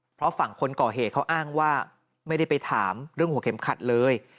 เพราะฝั่งคนก่อเหตุเขาอ้างว่าไม่ได้ไปถามเรื่องหัวเข็มขัดเลย